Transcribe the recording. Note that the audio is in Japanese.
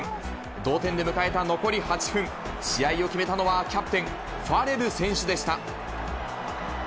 同点で迎えた残り８分、試合を決めたのはキャプテン、ファレル選手でした。